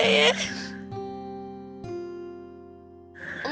terima kasih om